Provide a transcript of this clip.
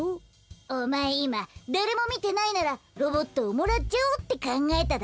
おまえいまだれもみてないならロボットをもらっちゃおうってかんがえただろ？